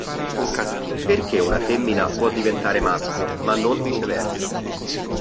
Perché una femmina può diventare maschio ma non viceversa?